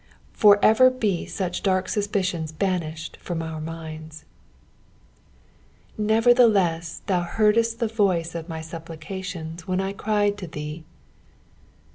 For ever be such dark suspicions banished from our minds. " Neverthleu thou heardeit the voice of my tupplieatiotu ahen I cried unto thee."